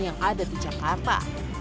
yang ada di jakarta